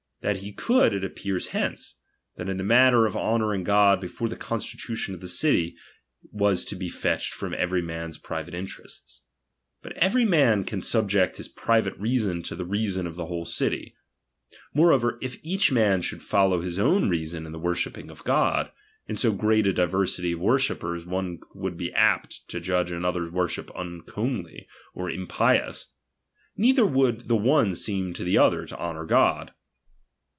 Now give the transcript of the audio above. That he could, it appears hence ; that the manner of honouring God before the constitution of a city, was to be fetched from every man's private reason. But every man cau subject his private reason to the reason of l/ie whole citi/. Moreover, if each man should follow his own reason in the wornhipping of God, in so great a diversity of worshippers one would be apt to judge another's worship uncomely, or impious ; neither would the one seem to the other to honour God.